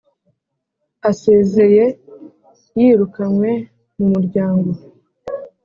asezeye yirukanywe mu muryango